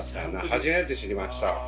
はじめて知りましたわ。